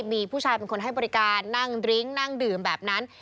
มีผู้ชายเป็นคนให้บริการนั่งดริ้งนั่งดื่มแบบนั้น